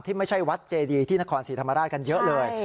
ไม่ใช่วัดเจดีที่นครศรีธรรมราชกันเยอะเลย